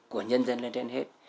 của nhân dân lên trên hết